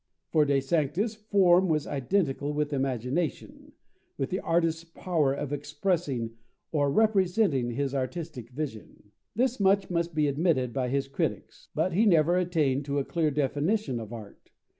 For De Sanctis, form was identical with imagination, with the artist's power of expressing or representing his artistic vision. This much must be admitted by his critics. But he never attained to a clear definition of art.